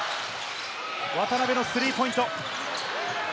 渡邊のスリーポイント。